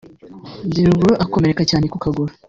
Nziruguru akomereka cyane ku kuguru